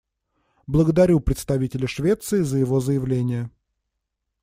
Благодарю представителя Швеции за его заявление.